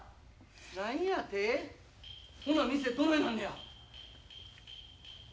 ・何やて？ほな店どないなんのや？